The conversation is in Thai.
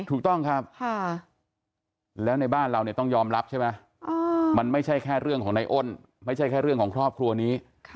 ถูกต้องครับแล้วในบ้านเราเนี่ยต้องยอมรับใช่ไหมมันไม่ใช่แค่เรื่องของในอ้นไม่ใช่แค่เรื่องของครอบครัวนี้